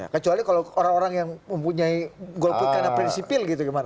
kecuali kalau orang orang yang mempunyai golput karena fleksibel bagaimana